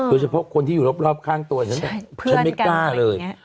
โดยเฉพาะคนที่อยู่รอบข้างตัวฉันฉันไม่กล้าเลย